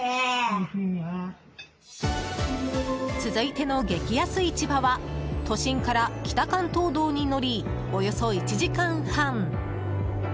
続いての激安市場は都心から北関東道に乗りおよそ１時間半。